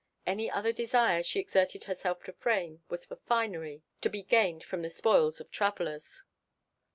Any other desire she exerted herself to frame was for finery to be gained from the spoils of travellers.